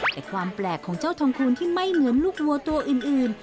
แต่ความแปลกของเจ้าทองคูณที่ไม่เหมือนลูกวัวตัวอื่น